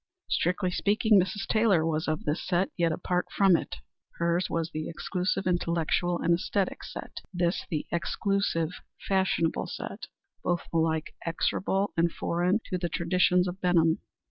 Strictly speaking, Mrs. Taylor was of this set, yet apart from it. Hers was the exclusive intellectual and æsthetic set, this the exclusive fashionable set both alike execrable and foreign to the traditions of Benham.